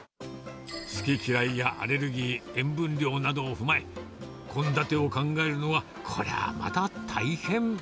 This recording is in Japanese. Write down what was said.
好き嫌いやアレルギー、塩分量などを踏まえ、献立を考えるのはこりゃまた大変。